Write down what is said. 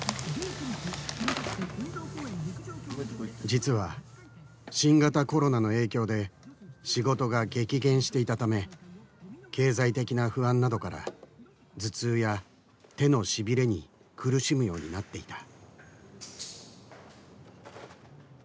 実は新型コロナの影響で仕事が激減していたため経済的な不安などから頭痛や手のしびれに苦しむようになっていた。